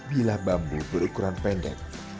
bila bambu berukuran pendek